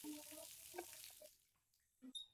Sina methali yoyote